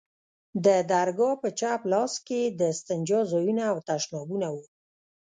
د درگاه په چپ لاس کښې د استنجا ځايونه او تشنابونه وو.